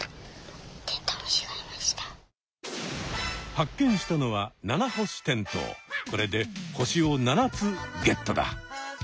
発見したのはこれで星を７つゲットだ！